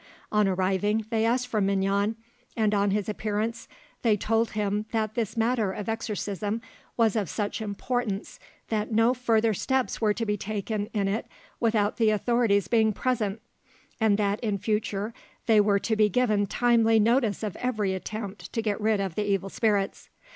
On arriving, they asked for Mignon, and on his appearance they told him that this matter of exorcism was of such importance that no further steps were to be taken in it without the authorities being present, and that in future they were to be given timely notice of every attempt to get rid of the evil spirits.